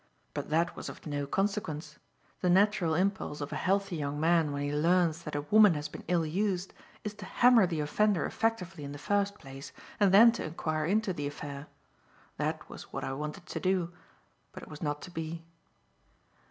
But that was of no consequence. The natural impulse of a healthy young man when he learns that a woman has been ill used is to hammer the offender effectively in the first place, and then to inquire into the affair. That was what I wanted to do; but it was not to be.